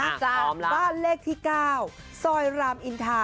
อ่ะพร้อมแล้วบ้านเลขที่๙ซอยรามอินทา๙๓